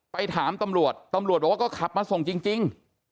ไปถามตำรวจตำรวจบอกว่าก็ขับมาส่งจริง